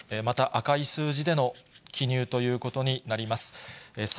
また赤い数字での記入ということになります。